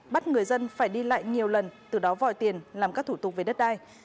bắt người dân phải đi lại nhiều lần từ đó vòi tiền làm các thủ tục về đất đai